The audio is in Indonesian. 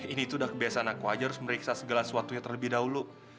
ini tuh udah kebiasaan aku aja harus meriksa segala sesuatunya terlebih dahulu